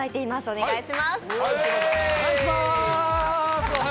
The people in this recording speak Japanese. お願いします。